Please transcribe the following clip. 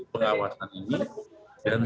pengawasan ini dan